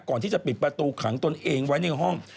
ก่อนที่จะปิดประตูขังตนเองไว้ในห้อง